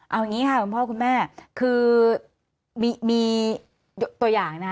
เอาอย่างนี้ค่ะคุณพ่อคุณแม่คือมีตัวอย่างนะคะ